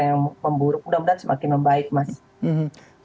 yang memburuk mudah mudahan semakin membaik mas